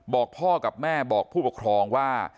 บอกพ่อกับแม่บอกผู้ปกครองว่า